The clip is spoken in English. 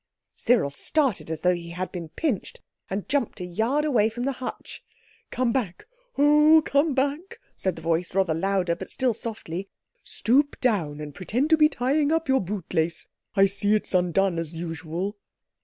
Cyril started as though he had been pinched, and jumped a yard away from the hutch. "Come back—oh, come back!" said the voice, rather louder but still softly; "stoop down and pretend to be tying up your bootlace—I see it's undone, as usual."